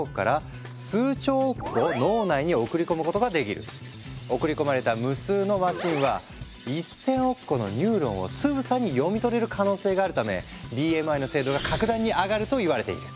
直径僅か２０ナノメートルの送り込まれた無数のマシンは１，０００億個のニューロンをつぶさに読み取れる可能性があるためＢＭＩの精度が格段に上がるといわれている。